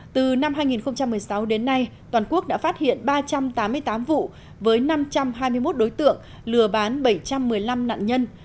từ năm hai nghìn một mươi sáu đến nay toàn quốc đã phát hiện ba trăm tám mươi tám vụ với năm trăm hai mươi một đối tượng lừa bán bảy trăm một mươi năm nạn nhân